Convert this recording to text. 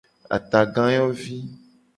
Atagayovi.